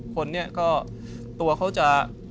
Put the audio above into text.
คนนี้ก็ตัวเขาจะ